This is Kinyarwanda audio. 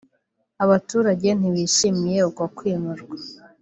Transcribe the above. Abaturage ntibishimiye uko kwimurwa